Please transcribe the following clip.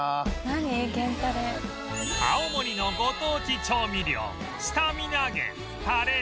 青森のご当地調味料スタミナ源たれ